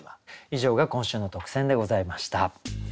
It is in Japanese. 以上が今週の特選でございました。